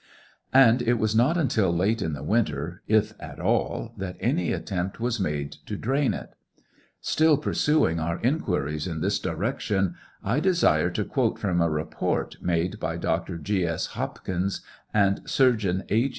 And it was not until late in the winter, if at all, that any attempt was made to drain it. Still pursuing our inquiries in this direction, I desire to quote from TRIAL OF HENRY WIRZ. 739 a report made by Dr. G. S. Hopkins and Surgeon H.